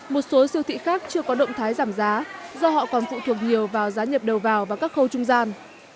một số siêu thị khác chưa có động thái giảm giá do họ còn phụ thuộc nhiều vào giá nhập đầu vào và các khâu trung gian